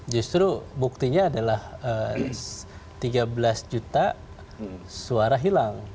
justru buktinya adalah tiga belas juta suara hilang